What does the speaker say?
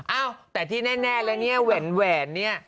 เอ้าแต่ที่แน่เลยเนี่ยเวียนแหวนเนี่ย